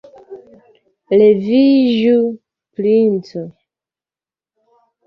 Leviĝu, princo.